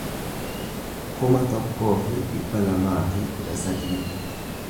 kuma tokkoo fi dhibba lamaa fi kudha sadii